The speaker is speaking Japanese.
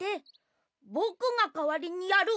ぼくがかわりにやる！